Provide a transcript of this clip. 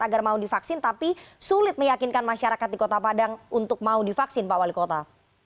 agar mau divaksin tapi sulit meyakinkan masyarakat di kota padang untuk mau divaksin pak wali kota